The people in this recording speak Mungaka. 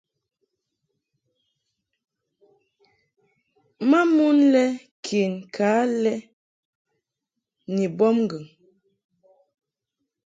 Ma mon le ken ka lɛ ni bɔbŋgɨŋ.